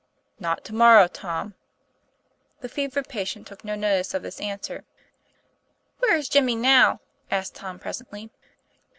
"Not to morrow, Tom." The fevered patient took no notice of this answer. "Where is Jimmy now?" asked Tom, presently.